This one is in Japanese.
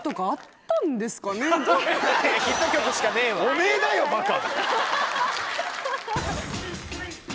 おめぇだよバカ！